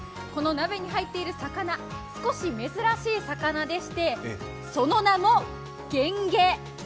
この鍋に入っている魚少し珍しい魚でして、その名もゲンゲ。